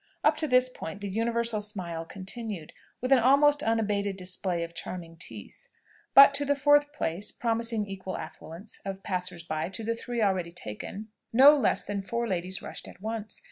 Up to this point the universal smile continued, with an almost unabated display of charming teeth; but to the fourth place, promising equal affluence of passers by to the three already taken, no less than four ladies rushed at once.